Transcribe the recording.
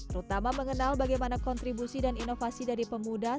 terutama mengenal bagaimana kontribusi dan inovasi dari pemuda